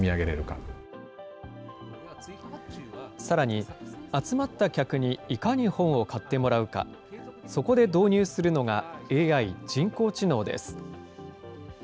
さらに、集まった客にいかに本を買ってもらうか、そこで導入するのがＡＩ・人工知能です。